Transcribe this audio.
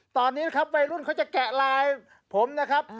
ตอนนี้นะครับวัยรุ่นเขาจะแกะลายผมนะครับ